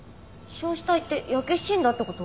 焼死体って焼け死んだって事？